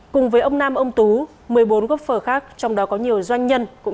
cùng với ông nam ông tú một mươi bốn gốc phở khác trong đó có nhiều doanh nhân cũng